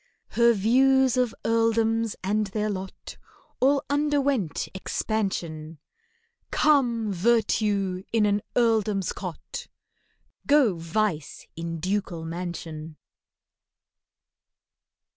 Her views of earldoms and their lot, All underwent expansion— Come, Virtue in an earldom's cot! Go, Vice in ducal mansion!